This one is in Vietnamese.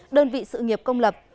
đơn vị sự nghiệp công lập